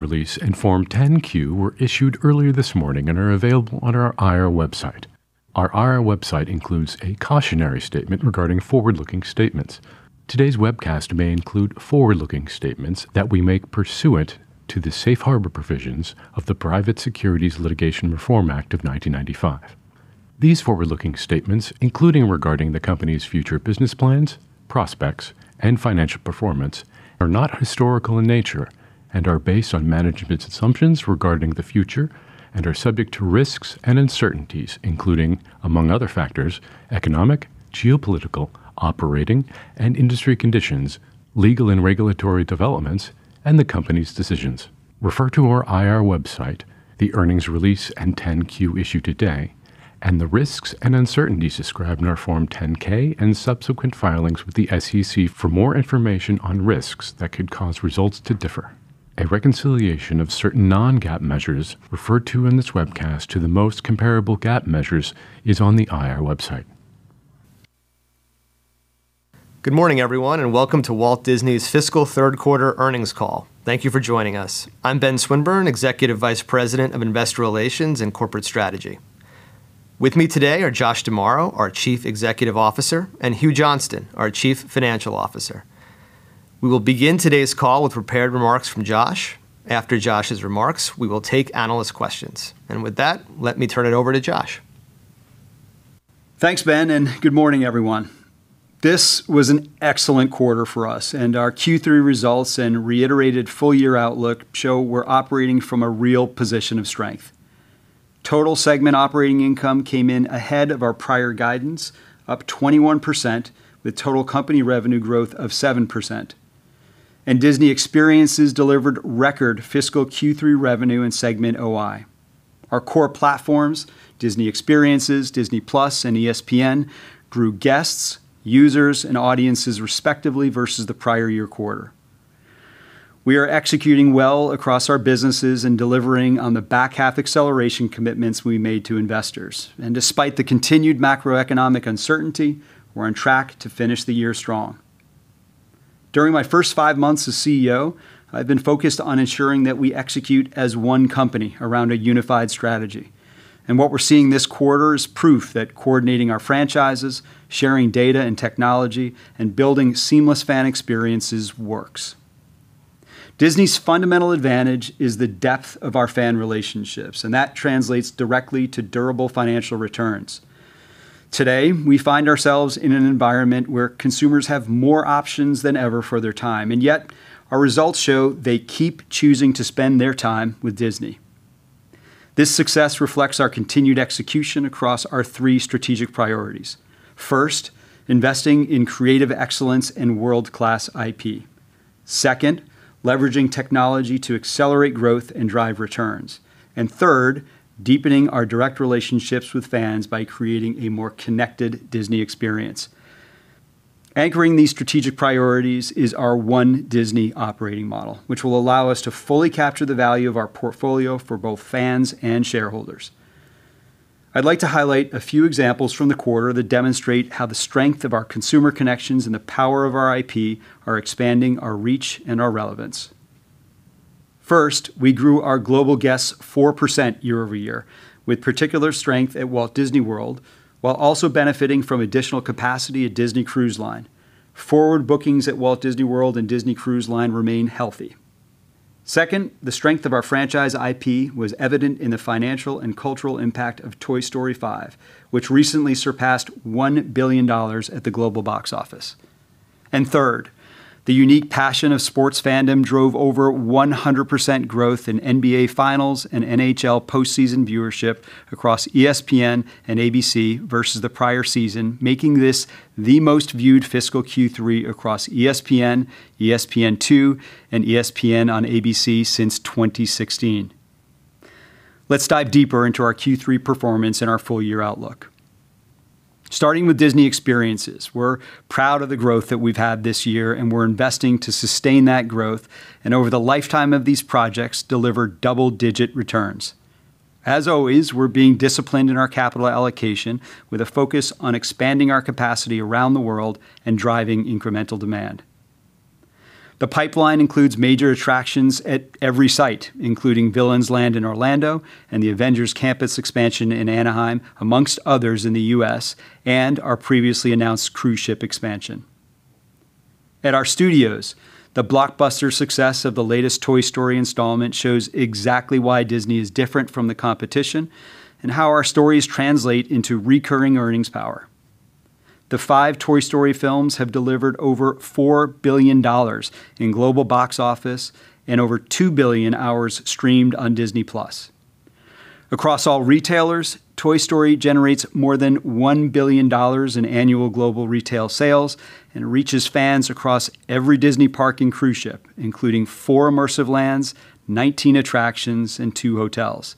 release and Form 10-Q were issued earlier this morning and are available on our IR website. Our IR website includes a cautionary statement regarding forward-looking statements. Today's webcast may include forward-looking statements that we make pursuant to the safe harbor provisions of the Private Securities Litigation Reform Act of 1995. These forward-looking statements, including regarding the company's future business plans, prospects, and financial performance, are not historical in nature and are based on management's assumptions regarding the future and are subject to risks and uncertainties, including, among other factors, economic, geopolitical, operating, and industry conditions, legal and regulatory developments, and the company's decisions. Refer to our IR website, the earnings release, and 10-Q issued today, and the risks and uncertainties described in our Form 10-K and subsequent filings with the SEC for more information on risks that could cause results to differ. A reconciliation of certain non-GAAP measures referred to in this webcast to the most comparable GAAP measures is on the IR website. Good morning, everyone, and welcome to Walt Disney's Fiscal Third Quarter Earnings Call. Thank you for joining us. I'm Ben Swinburne, Executive Vice President of Investor Relations and Corporate Strategy. With me today are Josh D'Amaro, our Chief Executive Officer, and Hugh Johnston, our Chief Financial Officer. We will begin today's call with prepared remarks from Josh. After Josh's remarks, we will take analyst questions. With that, let me turn it over to Josh. Thanks, Ben, good morning, everyone. This was an excellent quarter for us, our Q3 results and reiterated full-year outlook show we're operating from a real position of strength. Total segment operating income came in ahead of our prior guidance, up 21%, with total company revenue growth of 7%. Disney Experiences delivered record fiscal Q3 revenue and segment OI. Our core platforms, Disney Experiences, Disney+, and ESPN, grew guests, users, and audiences respectively versus the prior year quarter. We are executing well across our businesses and delivering on the back-half acceleration commitments we made to investors. Despite the continued macroeconomic uncertainty, we're on track to finish the year strong. During my first five months as CEO, I've been focused on ensuring that we execute as one company around a unified strategy. What we're seeing this quarter is proof that coordinating our franchises, sharing data and technology, and building seamless fan experiences works. Disney's fundamental advantage is the depth of our fan relationships, and that translates directly to durable financial returns. Today, we find ourselves in an environment where consumers have more options than ever for their time, and yet our results show they keep choosing to spend their time with Disney. This success reflects our continued execution across our three strategic priorities. First, investing in creative excellence and world-class IP. Second, leveraging technology to accelerate growth and drive returns. And third, deepening our direct relationships with fans by creating a more connected Disney experience. Anchoring these strategic priorities is our One Disney operating model, which will allow us to fully capture the value of our portfolio for both fans and shareholders. I'd like to highlight a few examples from the quarter that demonstrate how the strength of our consumer connections and the power of our IP are expanding our reach and our relevance. First, we grew our global guests 4% year-over-year with particular strength at Walt Disney World, while also benefiting from additional capacity at Disney Cruise Line. Forward bookings at Walt Disney World and Disney Cruise Line remain healthy. Second, the strength of our franchise IP was evident in the financial and cultural impact of "Toy Story 5," which recently surpassed $1 billion at the global box office. Third, the unique passion of sports fandom drove over 100% growth in NBA Finals and NHL postseason viewership across ESPN and ABC versus the prior season, making this the most-viewed fiscal Q3 across ESPN, ESPN2, and ESPN on ABC since 2016. Let's dive deeper into our Q3 performance and our full-year outlook. Starting with Disney Experiences, we're proud of the growth that we've had this year, and we're investing to sustain that growth and over the lifetime of these projects, deliver double-digit returns. As always, we're being disciplined in our capital allocation with a focus on expanding our capacity around the world and driving incremental demand. The pipeline includes major attractions at every site, including Villains Land in Orlando and the Avengers Campus expansion in Anaheim, amongst others in the U.S., and our previously announced cruise ship expansion. At our studios, the blockbuster success of the latest "Toy Story" installment shows exactly why Disney is different from the competition and how our stories translate into recurring earnings power. The five "Toy Story" films have delivered over $4 billion in global box office and over 2 billion hours streamed on Disney+. Across all retailers, "Toy Story" generates more than $1 billion in annual global retail sales and reaches fans across every Disney park and cruise ship, including four immersive lands, 19 attractions, and two hotels.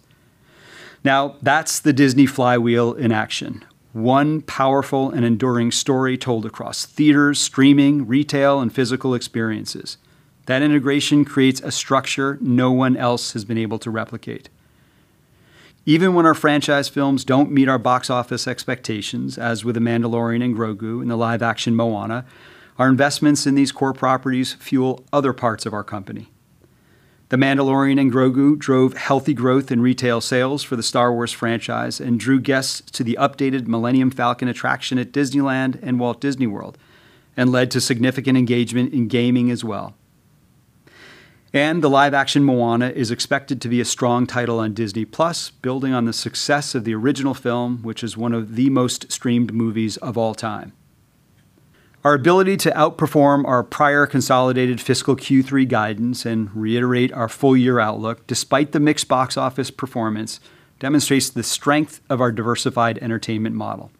That's the Disney flywheel in action. One powerful and enduring story told across theaters, streaming, retail, and physical experiences. That integration creates a structure no one else has been able to replicate. Even when our franchise films don't meet our box office expectations, as with "The Mandalorian" and Grogu and the live-action "Moana," our investments in these core properties fuel other parts of our company. "The Mandalorian" and Grogu drove healthy growth in retail sales for the Star Wars franchise and drew guests to the updated Millennium Falcon attraction at Disneyland and Walt Disney World and led to significant engagement in gaming as well. The live-action "Moana" is expected to be a strong title on Disney+, building on the success of the original film, which is one of the most-streamed movies of all time. Our ability to outperform our prior consolidated fiscal Q3 guidance and reiterate our full-year outlook despite the mixed box office performance demonstrates the strength of our diversified entertainment model.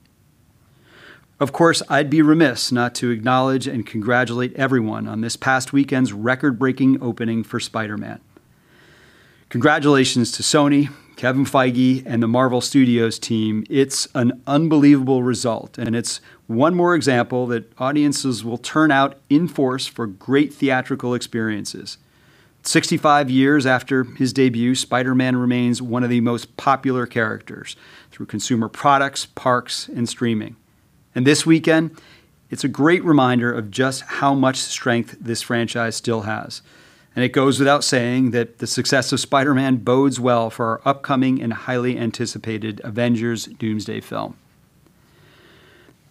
Of course, I'd be remiss not to acknowledge and congratulate everyone on this past weekend's record-breaking opening for "Spider-Man." Congratulations to Sony, Kevin Feige, and the Marvel Studios team. It's an unbelievable result, and it's one more example that audiences will turn out in force for great theatrical experiences. 65 years after his debut, Spider-Man remains one of the most popular characters through consumer products, parks, and streaming. This weekend, it's a great reminder of just how much strength this franchise still has. It goes without saying that the success of "Spider-Man" bodes well for our upcoming and highly anticipated "Avengers: Doomsday" film.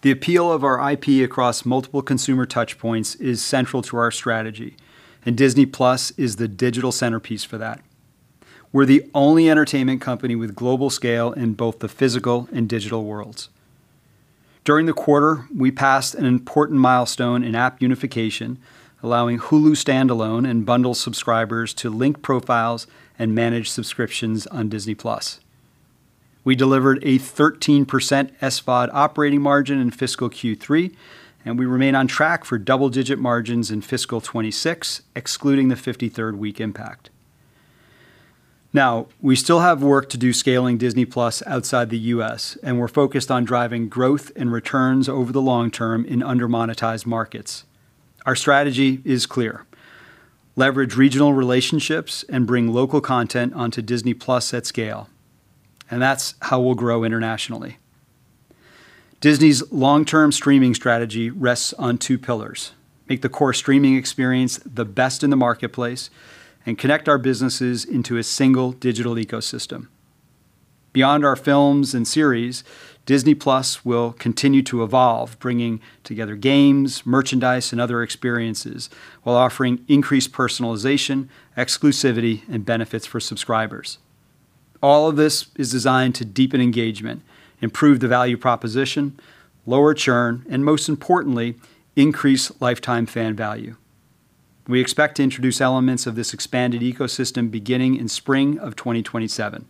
The appeal of our IP across multiple consumer touchpoints is central to our strategy, and Disney+ is the digital centerpiece for that. We're the only entertainment company with global scale in both the physical and digital worlds. During the quarter, we passed an important milestone in app unification, allowing Hulu standalone and bundle subscribers to link profiles and manage subscriptions on Disney+. We delivered a 13% SVOD operating margin in fiscal Q3, and we remain on track for double-digit margins in fiscal 2026, excluding the 53rd-week impact. Now, we still have work to do scaling Disney+ outside the U.S., and we're focused on driving growth and returns over the long term in under-monetized markets. Our strategy is clear: leverage regional relationships and bring local content onto Disney+ at scale, and that's how we'll grow internationally. Disney's long-term streaming strategy rests on two pillars: make the core streaming experience the best in the marketplace and connect our businesses into a single digital ecosystem. Beyond our films and series, Disney+ will continue to evolve, bringing together games, merchandise, and other experiences while offering increased personalization, exclusivity, and benefits for subscribers. All of this is designed to deepen engagement, improve the value proposition, lower churn, and most importantly, increase lifetime fan value. We expect to introduce elements of this expanded ecosystem beginning in spring of 2027.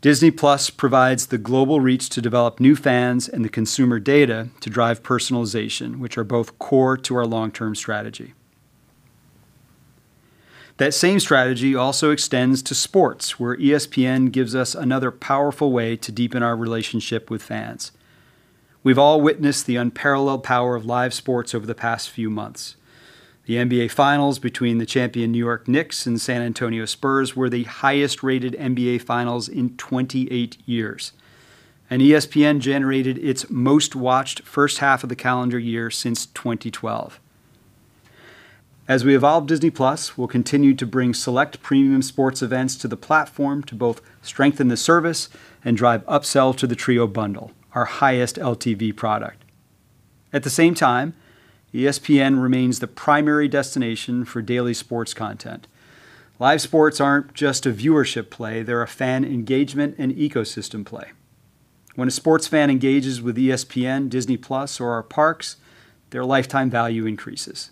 Disney+ provides the global reach to develop new fans and the consumer data to drive personalization, which are both core to our long-term strategy. That same strategy also extends to sports, where ESPN gives us another powerful way to deepen our relationship with fans. We've all witnessed the unparalleled power of live sports over the past few months. The NBA Finals between the champion New York Knicks and San Antonio Spurs were the highest-rated NBA Finals in 28 years, and ESPN generated its most-watched first half of the calendar year since 2012. As we evolve Disney+, we'll continue to bring select premium sports events to the platform to both strengthen the service and drive upsell to the Trio Bundle, our highest LTV product. At the same time, ESPN remains the primary destination for daily sports content. Live sports aren't just a viewership play, they're a fan engagement and ecosystem play. When a sports fan engages with ESPN, Disney+, or our parks, their lifetime value increases.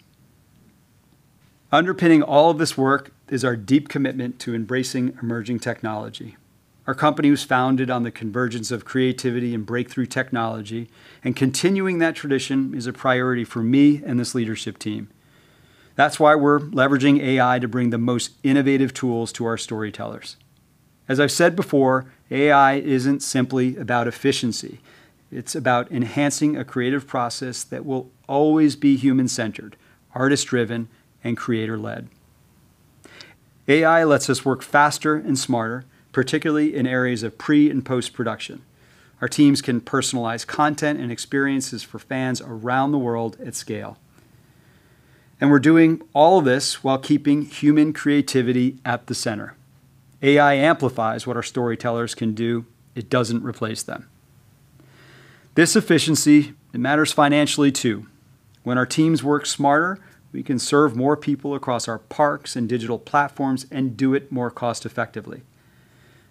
Underpinning all of this work is our deep commitment to embracing emerging technology. Our company was founded on the convergence of creativity and breakthrough technology, continuing that tradition is a priority for me and this leadership team. That's why we're leveraging AI to bring the most innovative tools to our storytellers. As I've said before, AI isn't simply about efficiency. It's about enhancing a creative process that will always be human-centered, artist-driven, and creator-led. AI lets us work faster and smarter, particularly in areas of pre- and post-production. Our teams can personalize content and experiences for fans around the world at scale. We're doing all this while keeping human creativity at the center. AI amplifies what our storytellers can do. It doesn't replace them. This efficiency, it matters financially, too. When our teams work smarter, we can serve more people across our parks and digital platforms and do it more cost-effectively.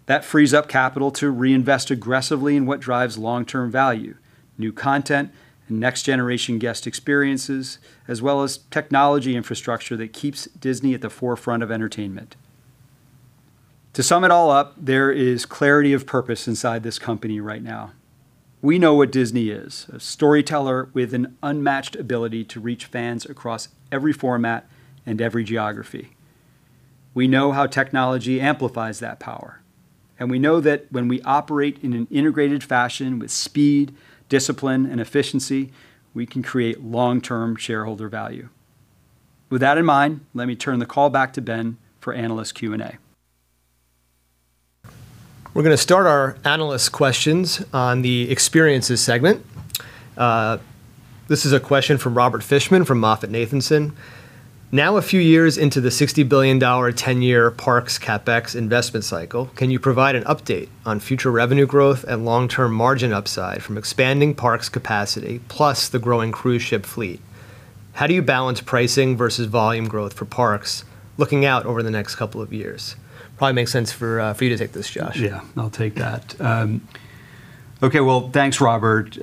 That frees up capital to reinvest aggressively in what drives long-term value: new content and next-generation guest experiences, as well as technology infrastructure that keeps Disney at the forefront of entertainment. To sum it all up, there is clarity of purpose inside this company right now. We know what Disney is, a storyteller with an unmatched ability to reach fans across every format and every geography. We know how technology amplifies that power, we know that when we operate in an integrated fashion with speed, discipline, and efficiency, we can create long-term shareholder value. With that in mind, let me turn the call back to Ben for analyst Q&A. We're going to start our analyst questions on the experiences segment. This is a question from Robert Fishman, from MoffettNathanson. "Now a few years into the $60 billion 10-year parks CapEx investment cycle, can you provide an update on future revenue growth and long-term margin upside from expanding parks capacity, plus the growing cruise ship fleet? How do you balance pricing versus volume growth for parks looking out over the next couple of years?" Probably makes sense for you to take this, Josh. Yeah. I'll take that. Okay. Well, thanks, Robert.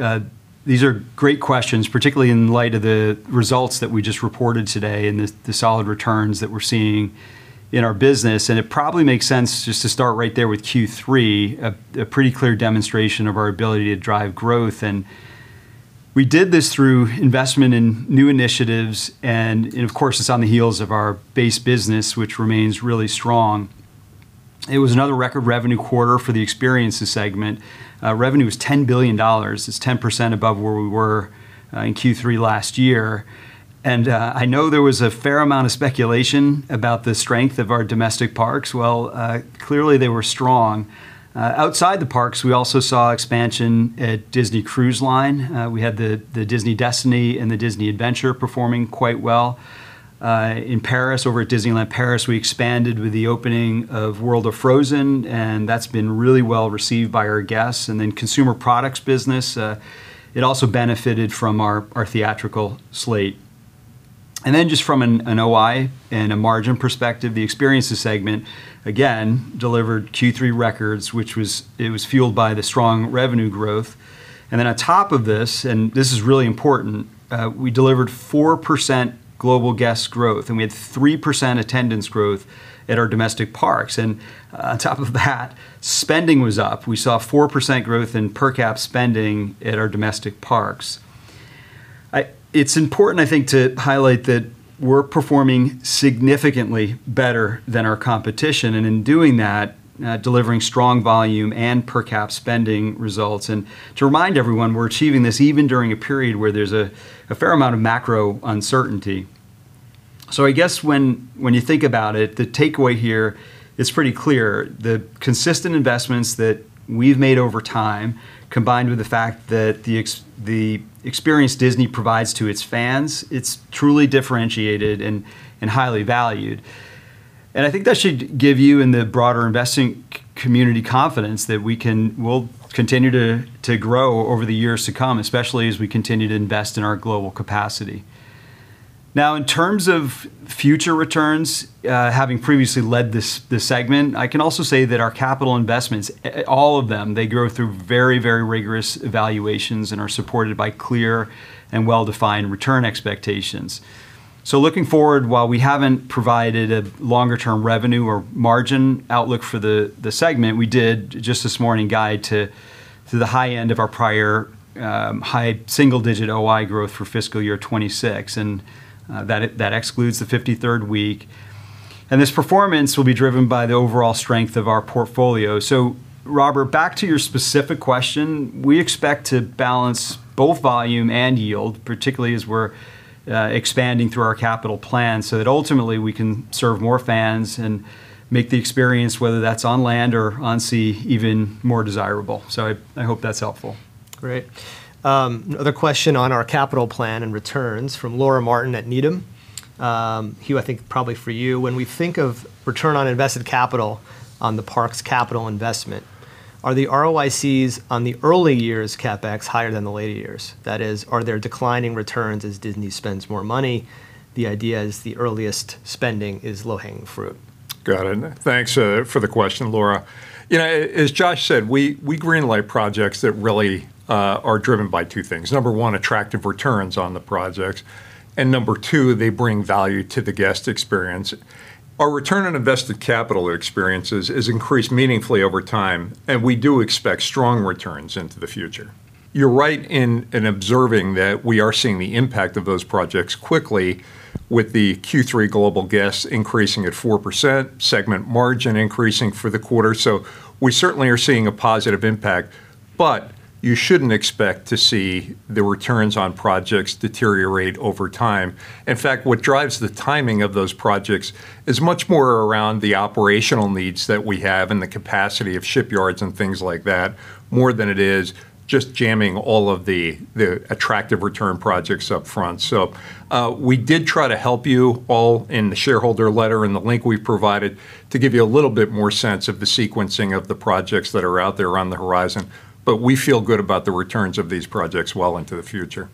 These are great questions, particularly in light of the results that we just reported today and the solid returns that we're seeing in our business. It probably makes sense just to start right there with Q3, a pretty clear demonstration of our ability to drive growth. We did this through investment in new initiatives, and of course, it's on the heels of our base business, which remains really strong. It was another record revenue quarter for the experiences segment. Revenue was $10 billion. It's 10% above where we were in Q3 last year. I know there was a fair amount of speculation about the strength of our domestic parks. Well, clearly they were strong. Outside the parks, we also saw expansion at Disney Cruise Line. We had the Disney Destiny and the Disney Adventure performing quite well. In Paris, over at Disneyland Paris, we expanded with the opening of World of Frozen, and that's been really well received by our guests. Consumer products business, it also benefited from our theatrical slate. Just from an OI and a margin perspective, the Experiences Segment, again, delivered Q3 records, which it was fueled by the strong revenue growth. On top of this, and this is really important, we delivered 4% global guest growth, and we had 3% attendance growth at our domestic parks. Spending was up. We saw 4% growth in per cap spending at our domestic parks. It's important, I think, to highlight that we're performing significantly better than our competition, and in doing that, delivering strong volume and per cap spending results. To remind everyone, we're achieving this even during a period where there's a fair amount of macro uncertainty. I guess when you think about it, the takeaway here is pretty clear. The consistent investments that we've made over time, combined with the fact that the experience Disney provides to its fans, it's truly differentiated and highly valued. I think that should give you and the broader investing community confidence that we'll continue to grow over the years to come, especially as we continue to invest in our global capacity. Now, in terms of future returns, having previously led this segment, I can also say that our capital investments, all of them, they go through very rigorous evaluations and are supported by clear and well-defined return expectations. Looking forward, while we haven't provided a longer-term revenue or margin outlook for the segment, we did just this morning guide to the high end of our prior high single-digit OI growth for fiscal year 2026, and that excludes the 53rd week. This performance will be driven by the overall strength of our portfolio. Robert, back to your specific question, we expect to balance both volume and yield, particularly as we're expanding through our capital plan, so that ultimately we can serve more fans and make the experience, whether that's on land or on sea, even more desirable. I hope that's helpful. Great. Another question on our capital plan and returns from Laura Martin at Needham. Hugh, I think probably for you. When we think of return on invested capital on the parks capital investment, are the ROICs on the early years CapEx higher than the later years? That is, are there declining returns as Disney spends more money? The idea is the earliest spending is low-hanging fruit. Got it. Thanks for the question, Laura. As Josh said, we green light projects that really are driven by two things. Number one, attractive returns on the projects, and Number two, they bring value to the guest experience. Our return on invested capital experiences has increased meaningfully over time, and we do expect strong returns into the future. You're right in observing that we are seeing the impact of those projects quickly with the Q3 global guests increasing at 4%, segment margin increasing for the quarter. We certainly are seeing a positive impact. You shouldn't expect to see the returns on projects deteriorate over time. In fact, what drives the timing of those projects is much more around the operational needs that we have and the capacity of shipyards and things like that, more than it is just jamming all of the attractive return projects up front. We did try to help you all in the shareholder letter and the link we provided to give you a little bit more sense of the sequencing of the projects that are out there on the horizon, but we feel good about the returns of these projects well into the future.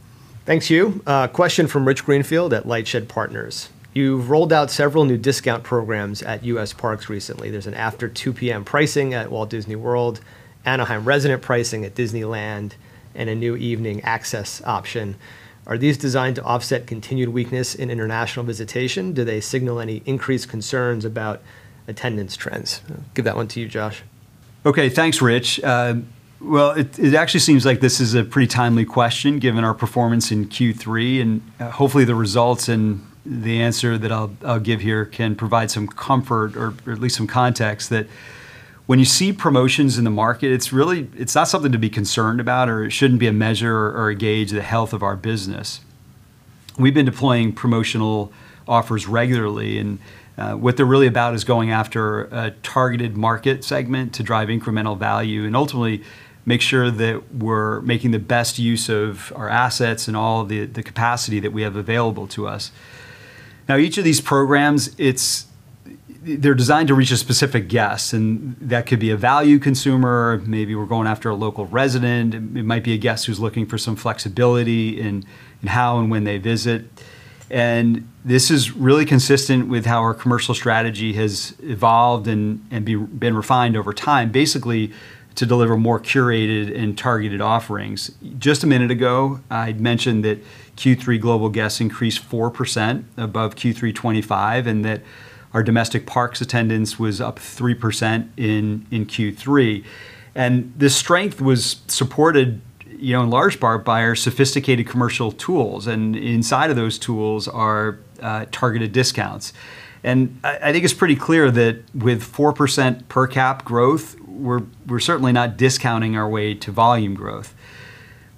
Thanks, Hugh. A question from Rich Greenfield at LightShed Partners. You've rolled out several new discount programs at U.S. parks recently. There's an after 2:00 P.M. pricing at Walt Disney World, Anaheim resident pricing at Disneyland, and a new evening access option. Are these designed to offset continued weakness in international visitation? Do they signal any increased concerns about attendance trends? Give that one to you, Josh. Okay. Thanks, Rich. It actually seems like this is a pretty timely question given our performance in Q3, and hopefully the results and the answer that I'll give here can provide some comfort or at least some context that when you see promotions in the market, it's not something to be concerned about, or it shouldn't be a measure or a gauge of the health of our business. We've been deploying promotional offers regularly, and what they're really about is going after a targeted market segment to drive incremental value and ultimately make sure that we're making the best use of our assets and all of the capacity that we have available to us. Each of these programs, they're designed to reach a specific guest, and that could be a value consumer. Maybe we're going after a local resident. It might be a guest who's looking for some flexibility in how and when they visit. This is really consistent with how our commercial strategy has evolved and been refined over time, basically, to deliver more curated and targeted offerings. Just a minute ago, I'd mentioned that Q3 global guests increased 4% above Q3 2025, and that our domestic parks attendance was up 3% in Q3. This strength was supported in large part by our sophisticated commercial tools, and inside of those tools are targeted discounts. I think it's pretty clear that with 4% per cap growth, we're certainly not discounting our way to volume growth.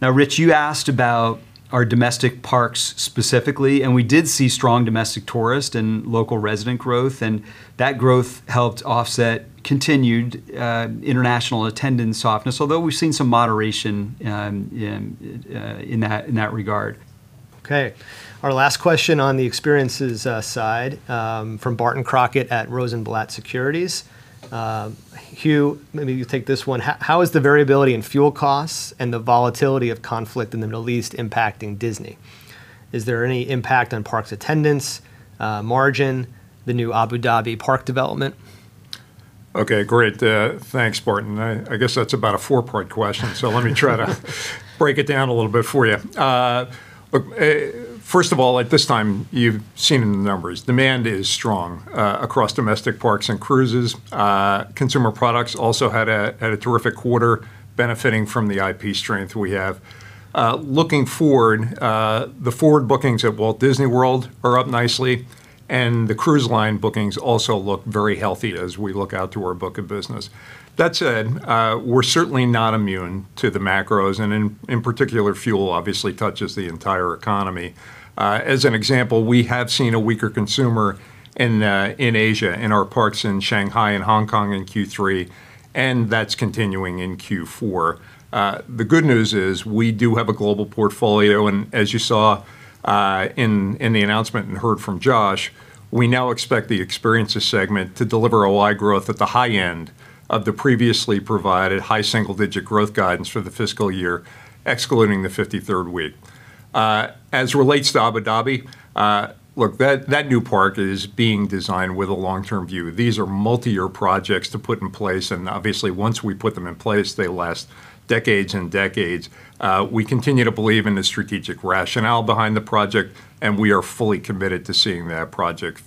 Now, Rich, you asked about our domestic parks specifically, and we did see strong domestic tourist and local resident growth, and that growth helped offset continued international attendance softness, although we've seen some moderation in that regard. Okay. Our last question on the experiences side from Barton Crockett at Rosenblatt Securities. Hugh, maybe you take this one. How is the variability in fuel costs and the volatility of conflict in the Middle East impacting Disney? Is there any impact on parks attendance, margin, the new Abu Dhabi park development? Okay, great. Thanks, Barton. I guess that's about a four-part question, so let me try to break it down a little bit for you. First of all, at this time, you've seen the numbers. Demand is strong across domestic parks and cruises. Consumer products also had a terrific quarter benefiting from the IP strength we have. Looking forward, the forward bookings at Walt Disney World are up nicely, and the cruise line bookings also look very healthy as we look out through our book of business. That said, we're certainly not immune to the macros, and in particular, fuel obviously touches the entire economy. As an example, we have seen a weaker consumer in Asia, in our parks in Shanghai and Hong Kong in Q3, and that's continuing in Q4. The good news is we do have a global portfolio, and as you saw in the announcement and heard from Josh, we now expect the experiences segment to deliver OI growth at the high end of the previously provided high single-digit growth guidance for the fiscal year, excluding the 53rd week. As relates to Abu Dhabi, look, that new park is being designed with a long-term view. These are multiyear projects to put in place, and obviously, once we put them in place, they last decades and decades. We continue to believe in the strategic rationale behind the project, and we are fully committed to seeing that project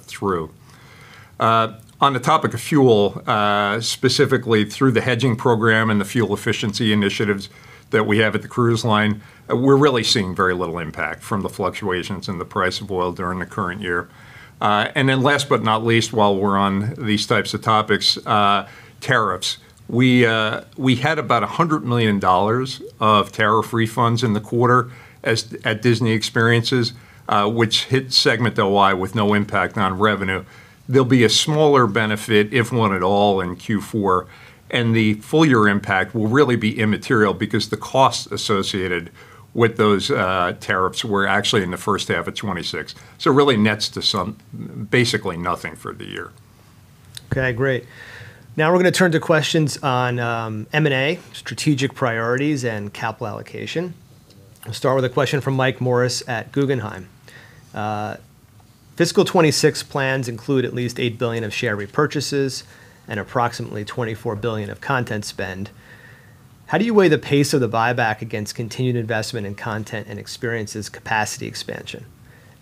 through. On the topic of fuel, specifically through the hedging program and the fuel efficiency initiatives that we have at the cruise line, we're really seeing very little impact from the fluctuations in the price of oil during the current year. Last but not least, while we're on these types of topics, tariffs. We had about $100 million of tariff refunds in the quarter at Disney Experiences, which hit segment OI with no impact on revenue. There'll be a smaller benefit, if one at all, in Q4, and the full-year impact will really be immaterial because the cost associated with those tariffs were actually in the first half of 2026. Really nets to basically nothing for the year. Okay, great. We're going to turn to questions on M&A strategic priorities and capital allocation. I'll start with a question from Michael Morris at Guggenheim. Fiscal 2026 plans include at least $8 billion of share repurchases and approximately $24 billion of content spend. How do you weigh the pace of the buyback against continued investment in content and experiences capacity expansion?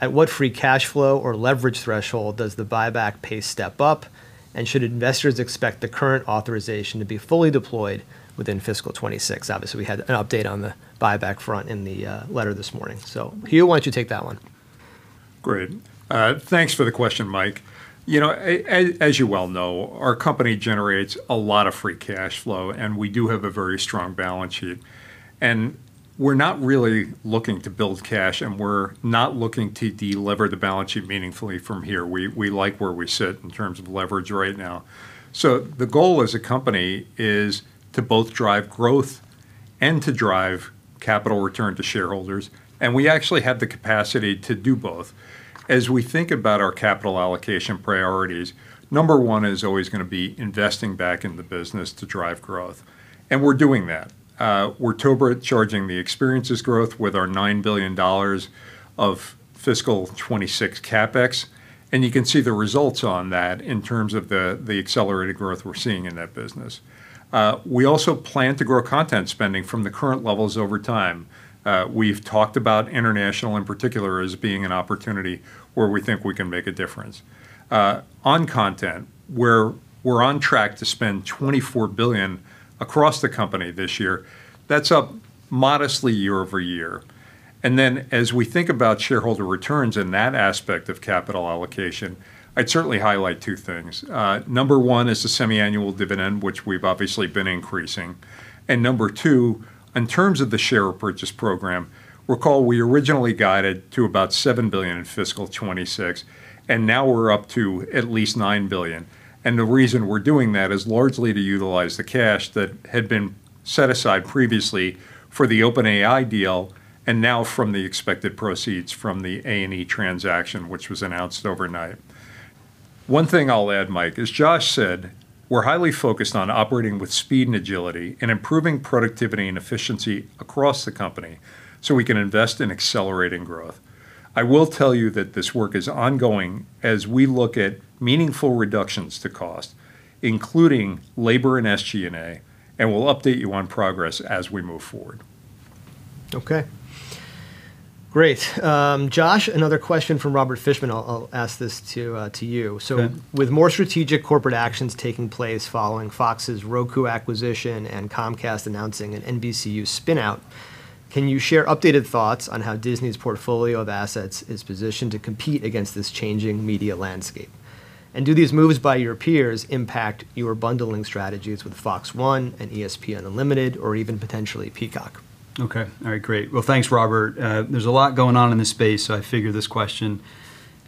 At what free cash flow or leverage threshold does the buyback pace step up, and should investors expect the current authorization to be fully deployed within fiscal 2026? Obviously, we had an update on the buyback front in the letter this morning. Hugh, why don't you take that one? Great. Thanks for the question, Mike. As you well know, our company generates a lot of free cash flow, and we do have a very strong balance sheet. We're not really looking to build cash, and we're not looking to delever the balance sheet meaningfully from here. We like where we sit in terms of leverage right now. The goal as a company is to both drive growth and to drive capital return to shareholders. We actually have the capacity to do both. As we think about our capital allocation priorities, number one is always going to be investing back in the business to drive growth, and we're doing that. We're turbocharging the experiences growth with our $9 billion of fiscal 2026 CapEx, and you can see the results on that in terms of the accelerated growth we're seeing in that business. We also plan to grow content spending from the current levels over time. We've talked about international in particular as being an opportunity where we think we can make a difference. On content, we're on track to spend $24 billion across the company this year. That's up modestly year-over-year. As we think about shareholder returns in that aspect of capital allocation, I'd certainly highlight two things. Number One is the semiannual dividend, which we've obviously been increasing. Number Two, in terms of the share repurchase program, recall we originally guided to about $7 billion in fiscal 2026, and now we're up to at least $9 billion. The reason we're doing that is largely to utilize the cash that had been set aside previously for the OpenAI deal and now from the expected proceeds from the A+E transaction, which was announced overnight. One thing I'll add, Mike, as Josh said, we're highly focused on operating with speed and agility and improving productivity and efficiency across the company so we can invest in accelerating growth. I will tell you that this work is ongoing as we look at meaningful reductions to cost, including labor and SG&A, and we'll update you on progress as we move forward. Okay. Great. Josh, another question from Robert Fishman. I'll ask this to you. Okay. With more strategic corporate actions taking place following Fox's Roku acquisition and Comcast announcing an NBCU spin-out, can you share updated thoughts on how Disney's portfolio of assets is positioned to compete against this changing media landscape? Do these moves by your peers impact your bundling strategies with FOX One and ESPN Unlimited or even potentially Peacock? Okay. All right, great. Well, thanks, Robert. There's a lot going on in this space, so I figured this question,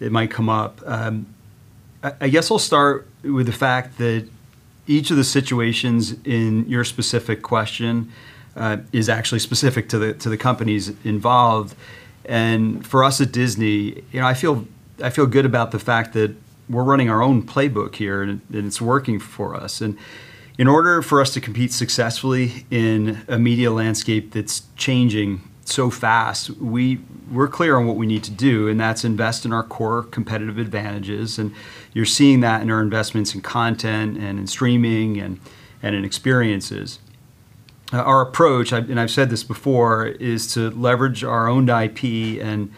it might come up. I guess I'll start with the fact that each of the situations in your specific question is actually specific to the companies involved. For us at Disney, I feel good about the fact that we're running our own playbook here, and it's working for us. In order for us to compete successfully in a media landscape that's changing so fast, we're clear on what we need to do, and that's invest in our core competitive advantages. You're seeing that in our investments in content and in streaming and in experiences. Our approach, I've said this before, is to leverage our owned IP and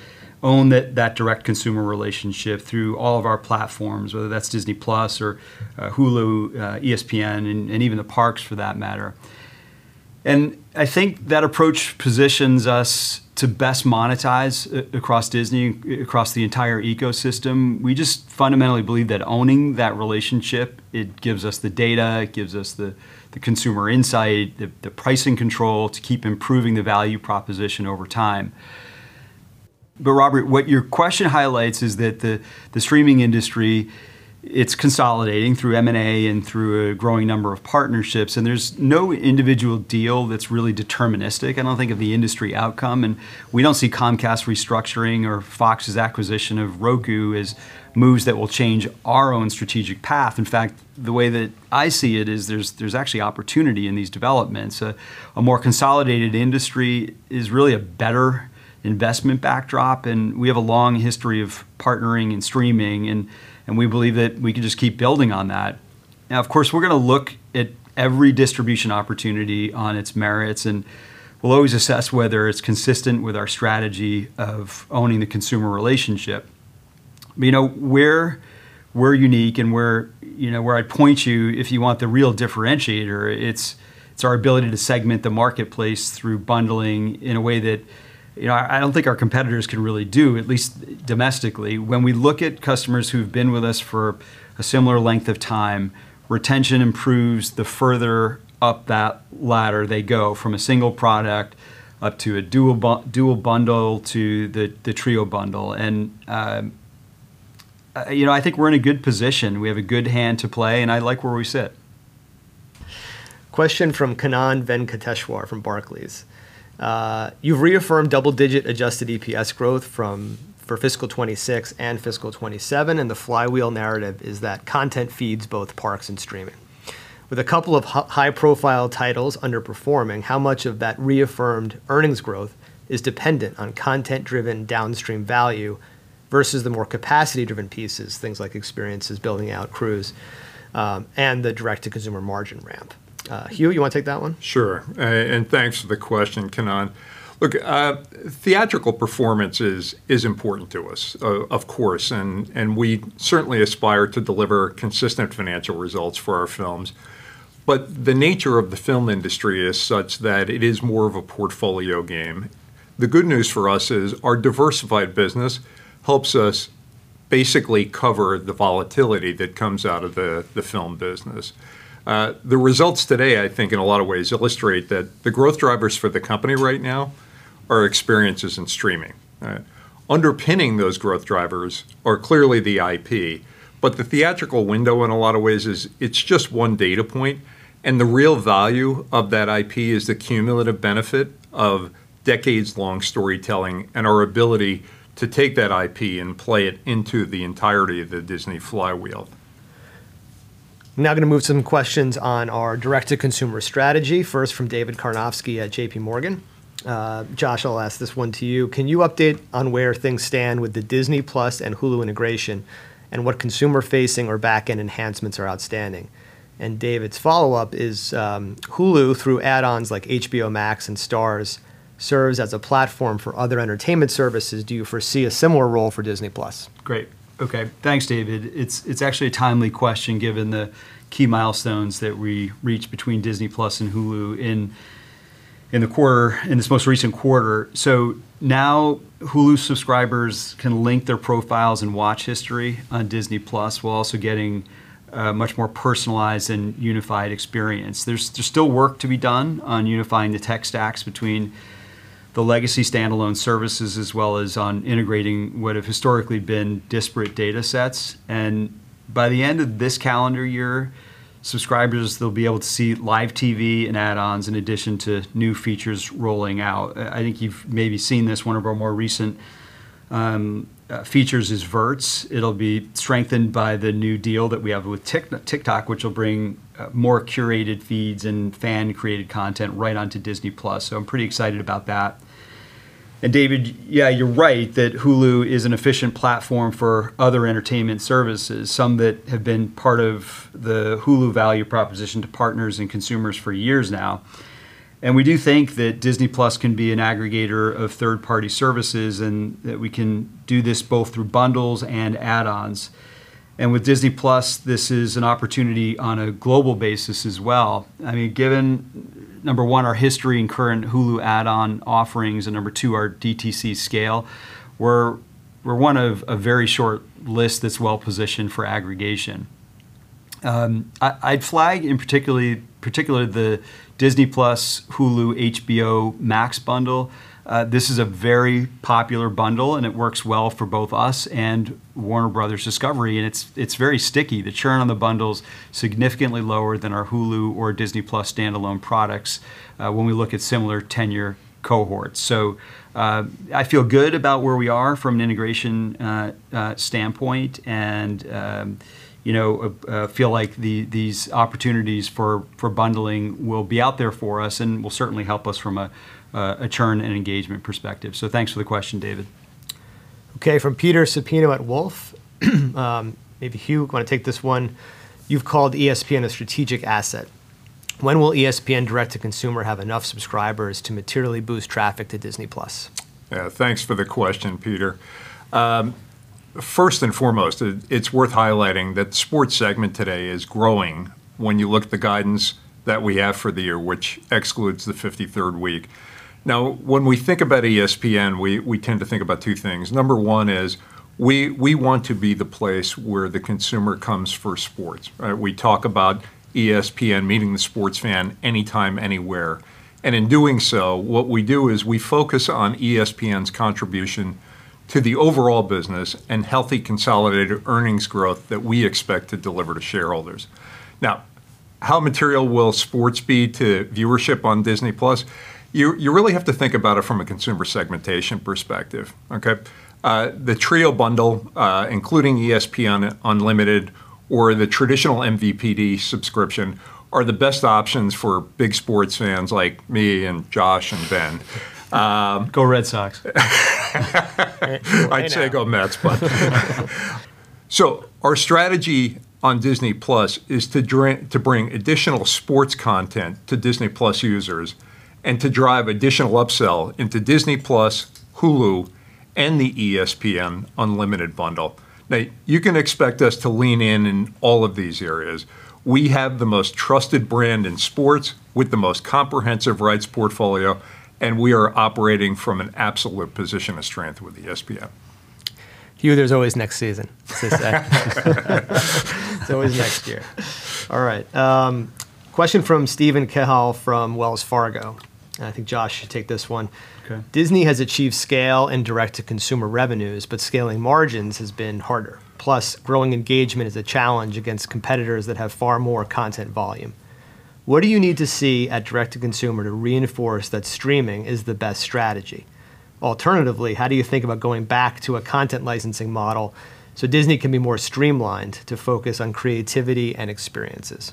own that direct consumer relationship through all of our platforms, whether that's Disney+ or Hulu, ESPN, and even the parks, for that matter. I think that approach positions us to best monetize across Disney, across the entire ecosystem. We just fundamentally believe that owning that relationship, it gives us the data, it gives us the consumer insight, the pricing control to keep improving the value proposition over time. Robert, what your question highlights is that the streaming industry, it's consolidating through M&A and through a growing number of partnerships, and there's no individual deal that's really deterministic, I don't think, of the industry outcome. We don't see Comcast restructuring or Fox's acquisition of Roku as moves that will change our own strategic path. In fact, the way that I see it is there's actually opportunity in these developments. A more consolidated industry is really a better investment backdrop, we have a long history of partnering and streaming, we believe that we can just keep building on that. Now, of course, we're going to look at every distribution opportunity on its merits, we'll always assess whether it's consistent with our strategy of owning the consumer relationship. Where we're unique and where I'd point you if you want the real differentiator, it's our ability to segment the marketplace through bundling in a way that I don't think our competitors can really do, at least domestically. When we look at customers who've been with us for a similar length of time, retention improves the further up that ladder they go from a single product up to a dual bundle to the Trio Bundle. I think we're in a good position. We have a good hand to play, I like where we sit. Question from Kannan Venkateshwar from Barclays. You've reaffirmed double-digit adjusted EPS growth for fiscal 2026 and fiscal 2027, the flywheel narrative is that content feeds both parks and streaming. With a couple of high-profile titles underperforming, how much of that reaffirmed earnings growth is dependent on content-driven downstream value versus the more capacity-driven pieces, things like experiences, building out cruise, and the direct-to-consumer margin ramp. Hugh, you want to take that one? Sure. Thanks for the question, Kannan. Theatrical performance is important to us, of course, we certainly aspire to deliver consistent financial results for our films. The nature of the film industry is such that it is more of a portfolio game. The good news for us is our diversified business helps us basically cover the volatility that comes out of the film business. The results today, I think, in a lot of ways illustrate that the growth drivers for the company right now are experiences in streaming. Underpinning those growth drivers are clearly the IP, the theatrical window, in a lot of ways, it's just one data point, the real value of that IP is the cumulative benefit of decades-long storytelling and our ability to take that IP and play it into the entirety of the Disney flywheel. Now going to move some questions on our direct-to-consumer strategy, first from David Karnovsky at JPMorgan. Josh, I'll ask this one to you. Can you update on where things stand with the Disney+ and Hulu integration and what consumer-facing or back-end enhancements are outstanding? David's follow-up is, Hulu, through add-ons like HBO Max and Starz serves as a platform for other entertainment services. Do you foresee a similar role for Disney+? Great. Okay. Thanks, David. It's actually a timely question given the key milestones that we reached between Disney+ and Hulu in this most recent quarter. Now Hulu subscribers can link their profiles and watch history on Disney+ while also getting a much more personalized and unified experience. There's still work to be done on unifying the tech stacks between the legacy standalone services, as well as on integrating what have historically been disparate data sets. By the end of this calendar year, subscribers, they'll be able to see live TV and add-ons in addition to new features rolling out. I think you've maybe seen this, one of our more recent features is Verts. It'll be strengthened by the new deal that we have with TikTok, which will bring more curated feeds and fan-created content right onto Disney+. I'm pretty excited about that. David, yeah, you're right that Hulu is an efficient platform for other entertainment services, some that have been part of the Hulu value proposition to partners and consumers for years now. We do think that Disney+ can be an aggregator of third-party services, that we can do this both through bundles and add-ons. With Disney+, this is an opportunity on a global basis as well. Given, number one, our history and current Hulu add-on offerings, number two, our DTC scale, we're one of a very short list that's well-positioned for aggregation. I'd flag in particular the Disney+ Hulu HBO Max bundle. This is a very popular bundle, it works well for both us and Warner Bros. Discovery, it's very sticky. The churn on the bundle's significantly lower than our Hulu or Disney+ standalone products when we look at similar tenure cohorts. I feel good about where we are from an integration standpoint and feel like these opportunities for bundling will be out there for us and will certainly help us from a churn and engagement perspective. Thanks for the question, David. Okay. From Peter Supino at Wolfe. Maybe Hugh want to take this one. You've called ESPN a strategic asset. When will ESPN direct to consumer have enough subscribers to materially boost traffic to Disney+? Yeah. Thanks for the question, Peter. First and foremost, it's worth highlighting that the sports segment today is growing when you look at the guidance that we have for the year, which excludes the 53rd week. When we think about ESPN, we tend to think about two things. Number One is we want to be the place where the consumer comes for sports. We talk about ESPN meeting the sports fan anytime, anywhere. In doing so, what we do is we focus on ESPN's contribution to the overall business and healthy consolidated earnings growth that we expect to deliver to shareholders. How material will sports be to viewership on Disney+? You really have to think about it from a consumer segmentation perspective. Okay? The Trio Bundle including ESPN Unlimited or the traditional MVPD subscription are the best options for big sports fans like me and Josh and Ben. Go Red Sox. Go A's. Our strategy on Disney+ is to bring additional sports content to Disney+ users and to drive additional upsell into Disney+, Hulu, and the ESPN Unlimited bundle. You can expect us to lean in in all of these areas. We have the most trusted brand in sports with the most comprehensive rights portfolio, and we are operating from an absolute position of strength with ESPN. Hugh, there's always next season. There's always next year. All right. Question from Steven Cahall from Wells Fargo. I think Josh should take this one. Okay. Disney has achieved scale in direct-to-consumer revenues, scaling margins has been harder. Growing engagement is a challenge against competitors that have far more content volume. What do you need to see at direct-to-consumer to reinforce that streaming is the best strategy? Alternatively, how do you think about going back to a content licensing model so Disney can be more streamlined to focus on creativity and experiences?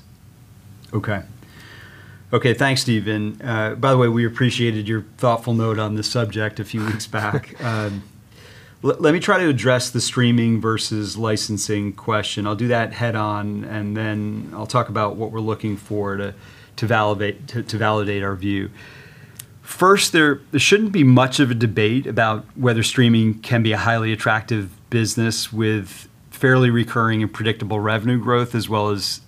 Okay. Thanks, Steven. By the way, we appreciated your thoughtful note on this subject a few weeks back. Let me try to address the streaming versus licensing question. I'll do that head-on, then I'll talk about what we're looking for to validate our view. First, there shouldn't be much of a debate about whether streaming can be a highly attractive business with fairly recurring and predictable revenue growth, as well as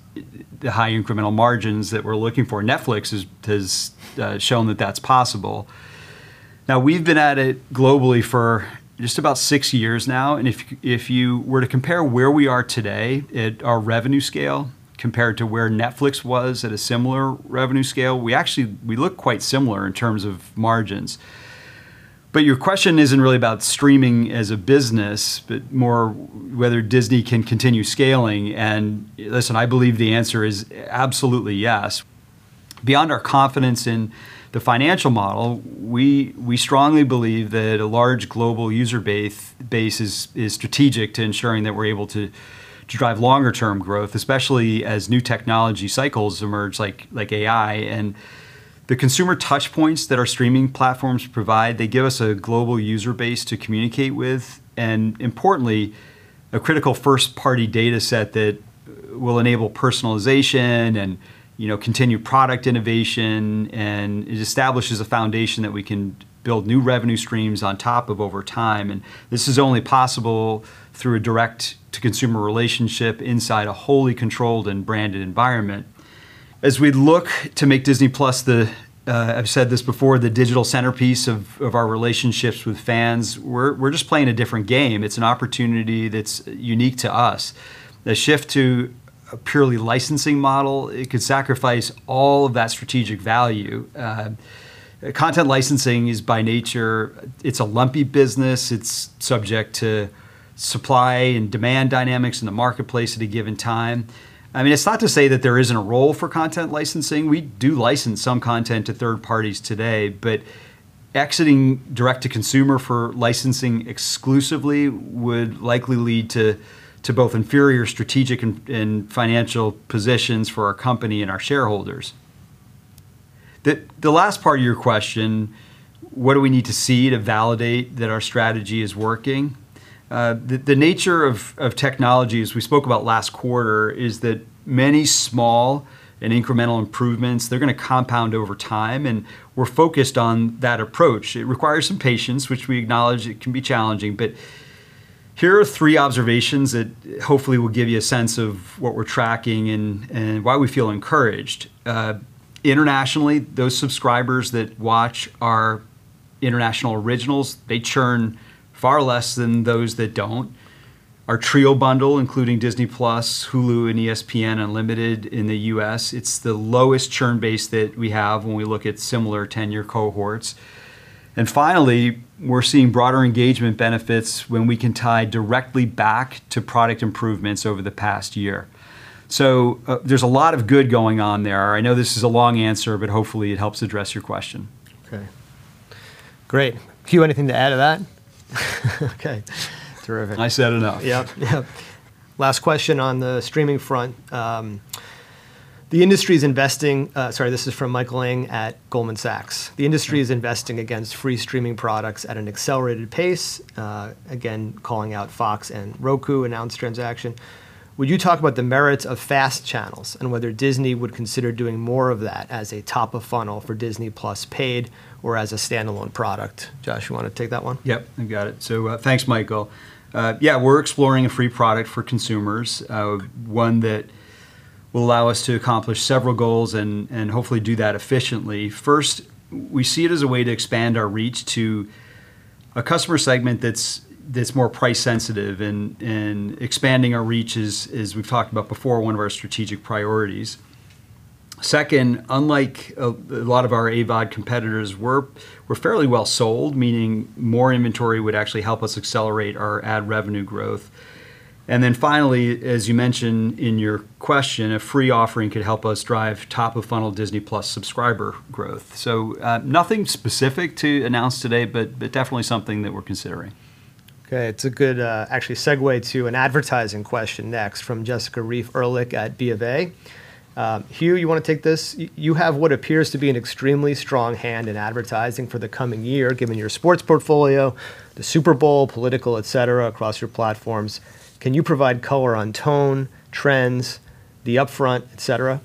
the high incremental margins that we're looking for. Netflix has shown that that's possible. Now, we've been at it globally for just about six years now, and if you were to compare where we are today at our revenue scale compared to where Netflix was at a similar revenue scale, we look quite similar in terms of margins. Your question isn't really about streaming as a business, but more whether Disney can continue scaling, listen, I believe the answer is absolutely yes. Beyond our confidence in the financial model, we strongly believe that a large global user base is strategic to ensuring that we're able to drive longer-term growth, especially as new technology cycles emerge like AI. The consumer touchpoints that our streaming platforms provide, they give us a global user base to communicate with, importantly, a critical first-party data set that will enable personalization and continue product innovation, and it establishes a foundation that we can build new revenue streams on top of over time. This is only possible through a direct-to-consumer relationship inside a wholly controlled and branded environment. As we look to make Disney+, I've said this before, the digital centerpiece of our relationships with fans, we're just playing a different game. It's an opportunity that's unique to us. The shift to a purely licensing model, it could sacrifice all of that strategic value. Content licensing is by nature a lumpy business. It's subject to supply and demand dynamics in the marketplace at a given time. It's not to say that there isn't a role for content licensing. We do license some content to third parties today, but exiting direct to consumer for licensing exclusively would likely lead to both inferior strategic and financial positions for our company and our shareholders. The last part of your question, what do we need to see to validate that our strategy is working? The nature of technology, as we spoke about last quarter, is that many small and incremental improvements, they're going to compound over time, we're focused on that approach. It requires some patience, which we acknowledge it can be challenging, here are three observations that hopefully will give you a sense of what we're tracking and why we feel encouraged. Internationally, those subscribers that watch our international originals, they churn far less than those that don't. Our Trio Bundle, including Disney+, Hulu, and ESPN Unlimited in the U.S., it's the lowest churn base that we have when we look at similar tenure cohorts. Finally, we're seeing broader engagement benefits when we can tie directly back to product improvements over the past year. There's a lot of good going on there. I know this is a long answer, hopefully it helps address your question. Okay, great. Hugh, anything to add to that? Okay. Terrific. I said enough. Yep. Last question on the streaming front. Sorry, this is from Michael Ng at Goldman Sachs. "The industry is investing against free streaming products at an accelerated pace." Again, calling out Fox and Roku announced transaction. "Would you talk about the merits of fast channels and whether Disney would consider doing more of that as a top of funnel for Disney+ paid or as a standalone product?" Josh, you want to take that one? Yep. I've got it. Thanks, Michael. We're exploring a free product for consumers, one that will allow us to accomplish several goals and hopefully do that efficiently. First, we see it as a way to expand our reach to a customer segment that's more price sensitive, and expanding our reach is, as we've talked about before, one of our strategic priorities. Second, unlike a lot of our AVOD competitors, we're fairly well-sold, meaning more inventory would actually help us accelerate our ad revenue growth. Finally, as you mentioned in your question, a free offering could help us drive top-of-funnel Disney+ subscriber growth. Nothing specific to announce today, but definitely something that we're considering. Okay. It's a good actually segue to an advertising question next from Jessica Reif Ehrlich at BofA. Hugh, you want to take this? You have what appears to be an extremely strong hand in advertising for the coming year, given your sports portfolio, the Super Bowl, political, et cetera, across your platforms. Can you provide color on tone, trends, the upfront, et cetera?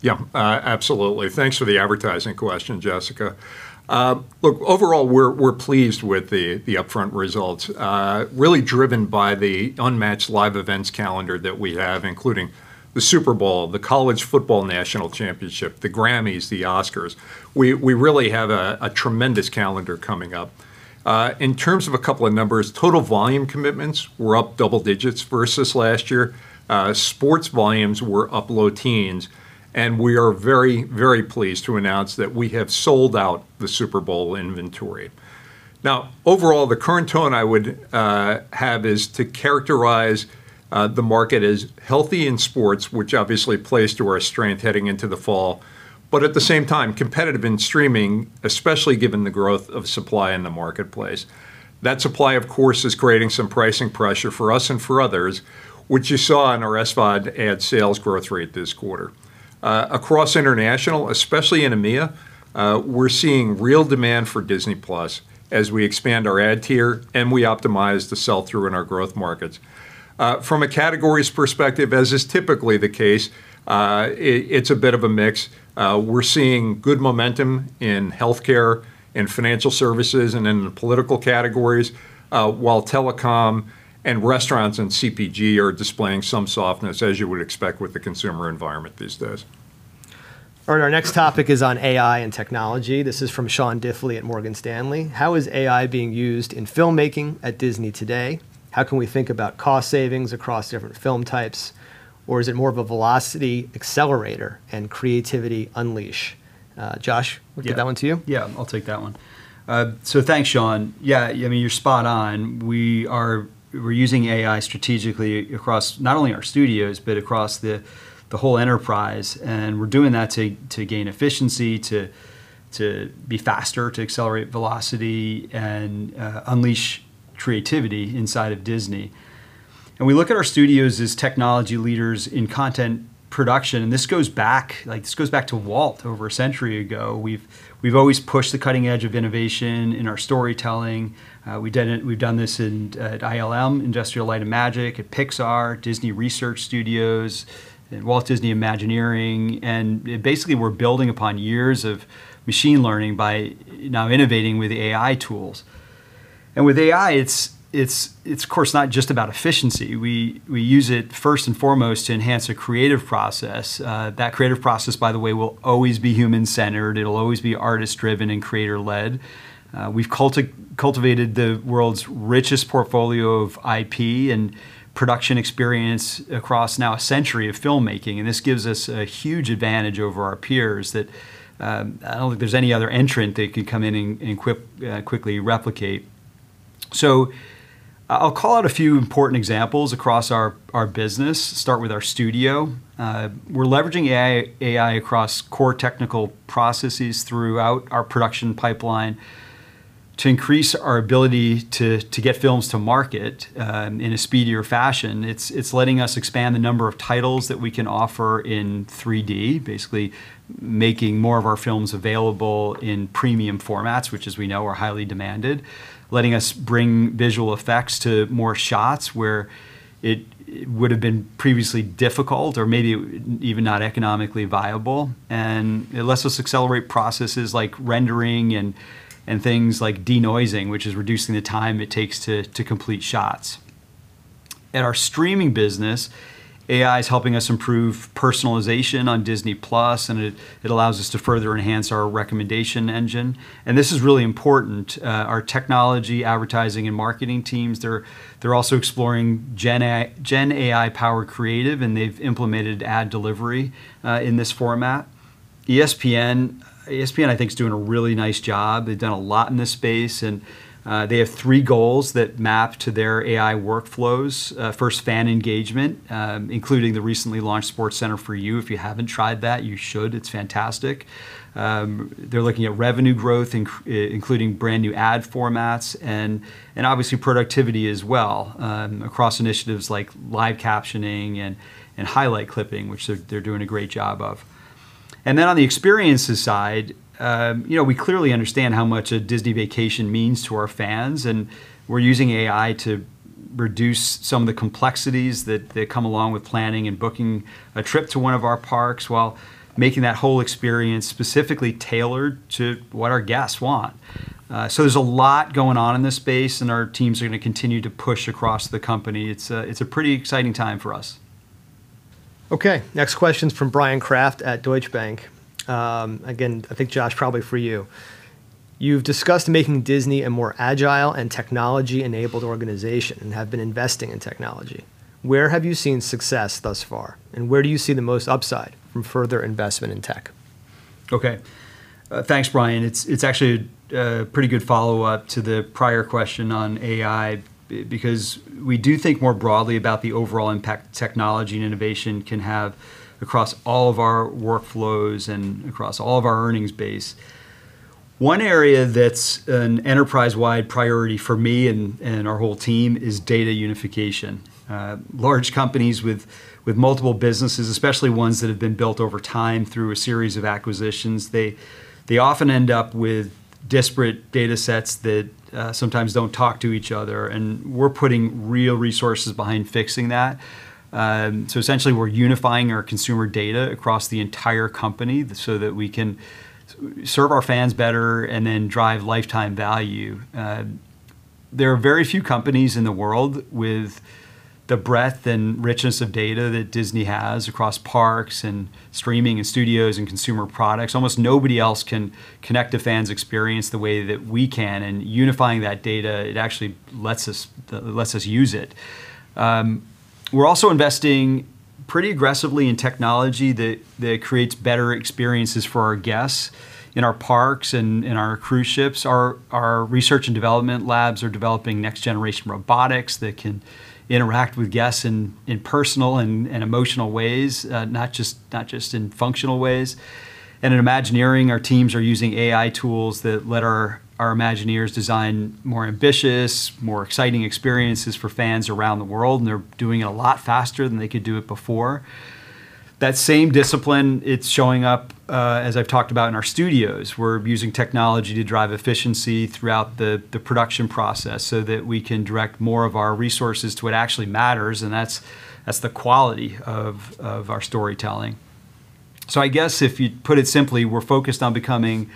Yeah. Absolutely. Thanks for the advertising question, Jessica. Look, overall, we're pleased with the upfront results, really driven by the unmatched live events calendar that we have, including the Super Bowl, the College Football National Championship, the Grammys, the Oscars. We really have a tremendous calendar coming up. In terms of a couple of numbers, total volume commitments were up double digits versus last year. Sports volumes were up low teens, and we are very pleased to announce that we have sold out the Super Bowl inventory. Now, overall, the current tone I would have is to characterize the market as healthy in sports, which obviously plays to our strength heading into the fall. At the same time, competitive in streaming, especially given the growth of supply in the marketplace. That supply, of course, is creating some pricing pressure for us and for others, which you saw in our SVOD ad sales growth rate this quarter. Across international, especially in EMEA, we're seeing real demand for Disney+ as we expand our ad tier and we optimize the sell-through in our growth markets. From a categories perspective, as is typically the case, it's a bit of a mix. We're seeing good momentum in healthcare and financial services and in the political categories. While telecom and restaurants and CPG are displaying some softness, as you would expect with the consumer environment these days. All right. Our next topic is on AI and technology. This is from Sean Diffley at Morgan Stanley. "How is AI being used in filmmaking at Disney today? How can we think about cost savings across different film types, or is it more of a velocity accelerator and creativity unleash?" Josh Yeah We'll give that one to you. I'll take that one. Thanks, Sean. You're spot on. We're using AI strategically across not only our studios, but across the whole enterprise, and we're doing that to gain efficiency, to be faster, to accelerate velocity, and unleash creativity inside of Disney. We look at our studios as technology leaders in content production, and this goes back to Walt over a century ago. We've always pushed the cutting edge of innovation in our storytelling. We've done this at ILM, Industrial Light & Magic, at Pixar, Disney Research Studios, and Walt Disney Imagineering. Basically, we're building upon years of machine learning by now innovating with AI tools. With AI, it's of course not just about efficiency. We use it first and foremost to enhance a creative process. That creative process, by the way, will always be human-centered. It'll always be artist-driven and creator-led. We've cultivated the world's richest portfolio of IP and production experience across now a century of filmmaking. This gives us a huge advantage over our peers that I don't think there's any other entrant that could come in and quickly replicate. I'll call out a few important examples across our business. Start with our studio. We're leveraging AI across core technical processes throughout our production pipeline to increase our ability to get films to market in a speedier fashion. It's letting us expand the number of titles that we can offer in 3D, basically making more of our films available in premium formats, which as we know, are highly demanded, letting us bring visual effects to more shots where it would've been previously difficult or maybe even not economically viable. It lets us accelerate processes like rendering and things like de-noising, which is reducing the time it takes to complete shots. At our streaming business, AI is helping us improve personalization on Disney+, and it allows us to further enhance our recommendation engine. This is really important. Our technology, advertising, and marketing teams, they're also exploring GenAI-powered creative. They've implemented ad delivery in this format. ESPN, I think, is doing a really nice job. They've done a lot in this space, and they have three goals that map to their AI workflows. First, fan engagement, including the recently launched SportsCenter for You. If you haven't tried that, you should. It's fantastic. They're looking at revenue growth including brand new ad formats, and obviously productivity as well across initiatives like live captioning and highlight clipping, which they're doing a great job of. On the experiences side, we clearly understand how much a Disney vacation means to our fans, and we're using AI to reduce some of the complexities that come along with planning and booking a trip to one of our parks while making that whole experience specifically tailored to what our guests want. There's a lot going on in this space, and our teams are going to continue to push across the company. It's a pretty exciting time for us. Okay. Next question's from Bryan Kraft at Deutsche Bank. I think Josh, probably for you. You've discussed making Disney a more agile and technology-enabled organization and have been investing in technology. Where have you seen success thus far, and where do you see the most upside from further investment in tech? Okay. Thanks, Bryan. It's actually a pretty good follow-up to the prior question on AI because we do think more broadly about the overall impact technology and innovation can have across all of our workflows and across all of our earnings base. One area that's an enterprise-wide priority for me and our whole team is data unification. Large companies with multiple businesses, especially ones that have been built over time through a series of acquisitions, they often end up with disparate data sets that sometimes don't talk to each other, and we're putting real resources behind fixing that. Essentially, we're unifying our consumer data across the entire company so that we can serve our fans better and then drive lifetime value. There are very few companies in the world with the breadth and richness of data that Disney has across parks and streaming and studios and consumer products. Almost nobody else can connect to fans' experience the way that we can, and unifying that data, it actually lets us use it. We're also investing pretty aggressively in technology that creates better experiences for our guests in our parks and in our cruise ships. Our research and development labs are developing next-generation robotics that can interact with guests in personal and emotional ways, not just in functional ways. At Imagineering, our teams are using AI tools that let our Imagineers design more ambitious, more exciting experiences for fans around the world, and they're doing it a lot faster than they could do it before. That same discipline, it's showing up as I've talked about in our studios. We're using technology to drive efficiency throughout the production process so that we can direct more of our resources to what actually matters, and that's the quality of our storytelling. I guess if you put it simply, we're focused on becoming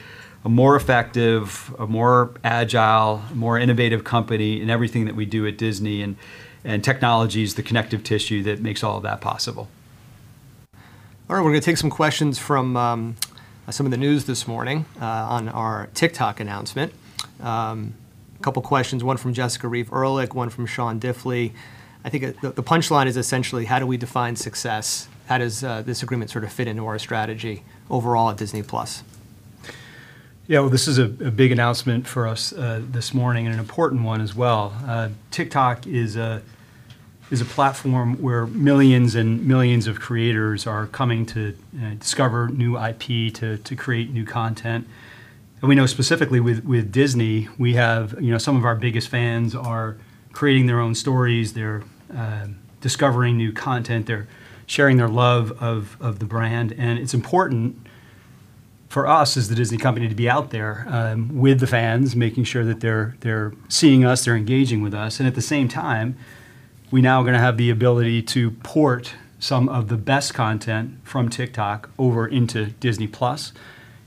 a more effective, a more agile, more innovative company in everything that we do at Disney, and technology is the connective tissue that makes all of that possible. All right. We're going to take some questions from some of the news this morning on our TikTok announcement. A couple questions, one from Jessica Reif Ehrlich, one from Sean Diffley. I think the punchline is essentially how do we define success? How does this agreement sort of fit into our strategy overall at Disney+? Well, this is a big announcement for us this morning, and an important one as well. TikTok is a platform where millions and millions of creators are coming to discover new IP to create new content. We know specifically with Disney, some of our biggest fans are creating their own stories. They're discovering new content. They're sharing their love of the brand. It's important for us as The Disney Company to be out there with the fans, making sure that they're seeing us, they're engaging with us. At the same time, we now are going to have the ability to port some of the best content from TikTok over into Disney+.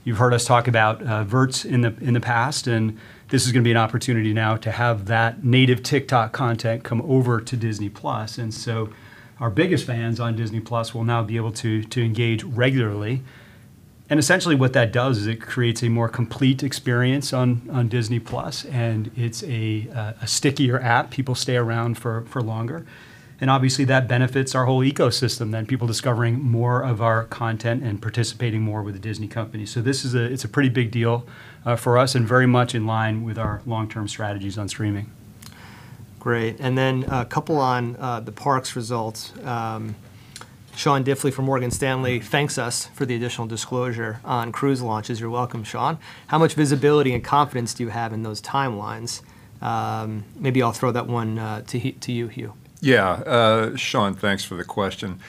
You've heard us talk about Verts in the past, and this is going to be an opportunity now to have that native TikTok content come over to Disney+. Our biggest fans on Disney+ will now be able to engage regularly. Essentially what that does is it creates a more complete experience on Disney+, and it's a stickier app. People stay around for longer. Obviously that benefits our whole ecosystem then, people discovering more of our content and participating more with The Disney Company. It's a pretty big deal for us and very much in line with our long-term strategies on streaming. Great. A couple on the parks results. Sean Diffley from Morgan Stanley thanks us for the additional disclosure on cruise launches. You're welcome, Sean. How much visibility and confidence do you have in those timelines? Maybe I'll throw that one to you, Hugh. Sean, thanks for the question.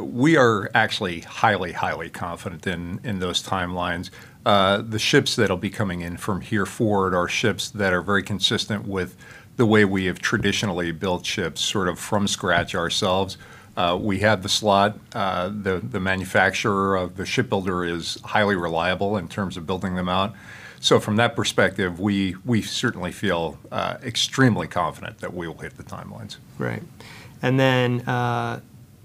We are actually highly confident in those timelines. The ships that'll be coming in from here forward are ships that are very consistent with the way we have traditionally built ships, sort of from scratch ourselves. We have the slot. The manufacturer of the shipbuilder is highly reliable in terms of building them out. From that perspective, we certainly feel extremely confident that we will hit the timelines. Great.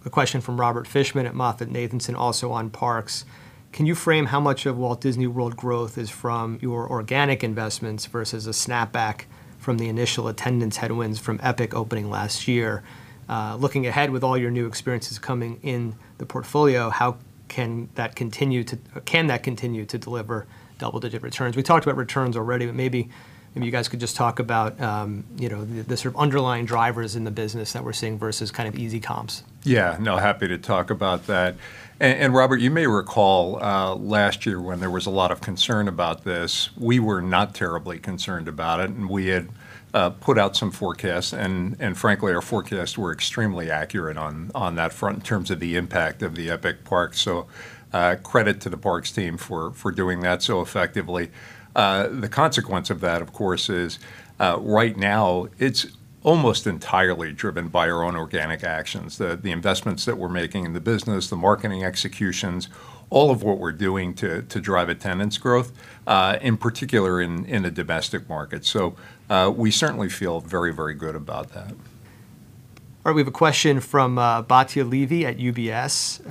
A question from Robert Fishman at MoffettNathanson, also on parks. Can you frame how much of Walt Disney World growth is from your organic investments versus a snapback from the initial attendance headwinds from Epic opening last year? Looking ahead with all your new experiences coming in the portfolio, how can that continue to deliver double-digit returns? We talked about returns already, but maybe if you guys could just talk about the sort of underlying drivers in the business that we're seeing versus kind of easy comps. Happy to talk about that. Robert, you may recall last year when there was a lot of concern about this, we were not terribly concerned about it, we had put out some forecasts. Frankly, our forecasts were extremely accurate on that front in terms of the impact of the Epic park. Credit to the parks team for doing that so effectively. The consequence of that, of course, is right now it's almost entirely driven by our own organic actions, the investments that we're making in the business, the marketing executions, all of what we're doing to drive attendance growth, in particular in the domestic market. We certainly feel very, very good about that. All right. We have a question from Batya Levi at UBS.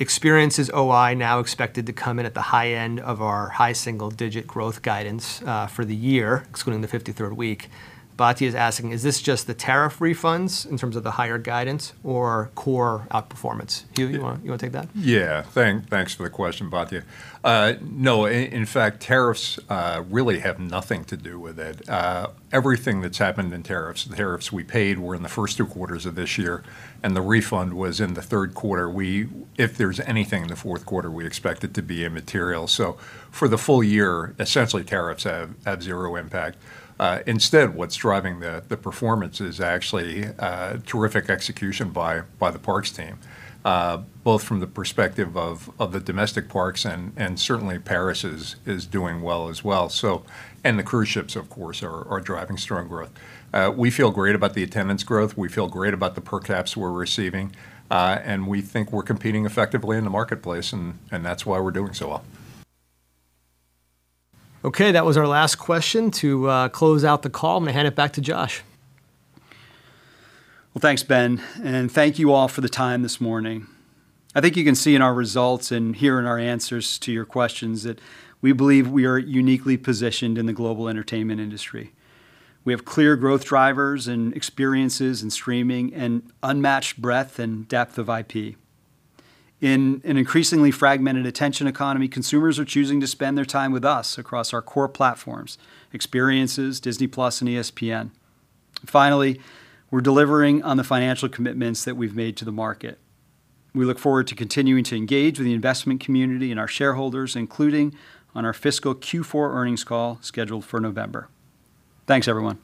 Experiences OI now expected to come in at the high end of our high single-digit growth guidance for the year, excluding the 53rd week. Batya is asking, is this just the tariff refunds in terms of the higher guidance or core outperformance? Hugh, you want to take that? Yeah. Thanks for the question, Batya. In fact, tariffs really have nothing to do with it. Everything that's happened in tariffs, the tariffs we paid were in the first two quarters of this year, and the refund was in the third quarter. If there's anything in the fourth quarter, we expect it to be immaterial. For the full year, essentially tariffs have zero impact. Instead, what's driving the performance is actually terrific execution by the parks team both from the perspective of the domestic parks and certainly Paris is doing well as well. The cruise ships, of course, are driving strong growth. We feel great about the attendance growth. We feel great about the per caps we're receiving. We think we're competing effectively in the marketplace, and that's why we're doing so well. Okay. That was our last question. To close out the call, I'm going to hand it back to Josh. Well, thanks, Ben. Thank you all for the time this morning. I think you can see in our results and hear in our answers to your questions that we believe we are uniquely positioned in the global entertainment industry. We have clear growth drivers in experiences and streaming and unmatched breadth and depth of IP. In an increasingly fragmented attention economy, consumers are choosing to spend their time with us across our core platforms, experiences, Disney+ and ESPN. Finally, we're delivering on the financial commitments that we've made to the market. We look forward to continuing to engage with the investment community and our shareholders, including on our fiscal Q4 earnings call scheduled for November. Thanks, everyone.